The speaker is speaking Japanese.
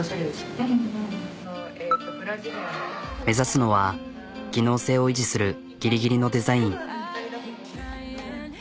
目指すのは機能性を維持するギリギリのデザイン。